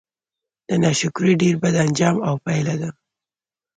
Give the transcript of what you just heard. د ناشکرۍ ډير بد آنجام او پايله ده